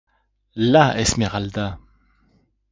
La Esmeralda!